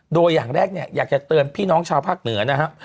โดยอย่างแรกเนี่ยอยากจะเตือนพี่น้องชาวภาคเหนือนะครับ